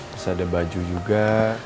terus ada baju juga